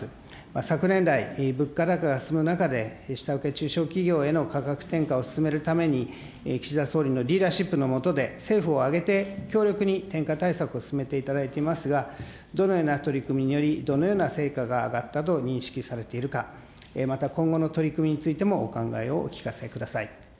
昨年来、物価高が進む中で、下請け中小企業への価格転嫁を進めるために、岸田総理のリーダーシップの下で、政府を挙げて強力に転嫁対策を進めていただいていますが、どのような取り組みにより、どのような成果が上がったと認識されているか、また今後の取り組みについてもお考えをお聞かせください。